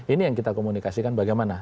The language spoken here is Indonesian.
ini yang kita komunikasikan bagaimana